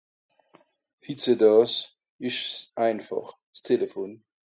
hitzedàas esch's einfàch s'Téléphone